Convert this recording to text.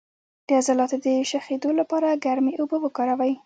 د عضلاتو د شخیدو لپاره ګرمې اوبه وکاروئ